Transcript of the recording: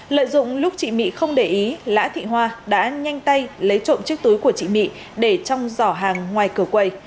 lợi dụng lúc chị mị không để ý lã thị hoa đã nhanh tay lấy trộm chiếc túi của chị mị để trong giỏ hàng ngoài cửa quầy